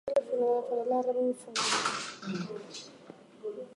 Bicycle usage for work commutes is minimal.